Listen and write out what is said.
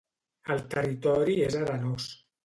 El territori és arenós.